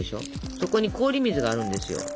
そこに氷水があるんですよ。